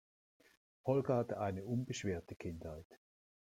Holger hatte eine unbeschwerte Kindheit.